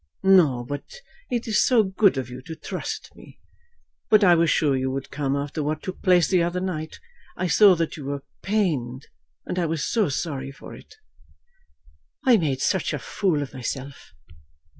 "No; but it is so good of you to trust me. But I was sure you would come after what took place the other night. I saw that you were pained, and I was so sorry for it." "I made such a fool of myself."